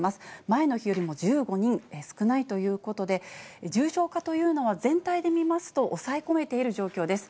前の日よりも１５人少ないということで、重症化というのは全体で見ますと、抑え込めている状況です。